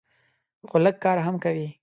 خو لږ کار هم کوي.